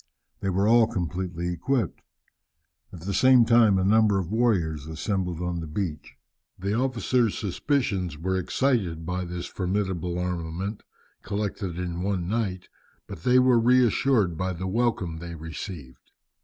They were all completely equipped. At the same time a number of warriors assembled on the beach. The officers' suspicions were excited by this formidable armament, collected in one night, but they were reassured by the welcome they received.